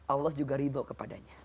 allah juga riba kepadanya